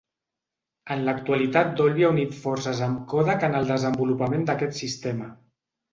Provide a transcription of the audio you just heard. En l'actualitat Dolby ha unit forces amb Kodak en el desenvolupament d'aquest sistema.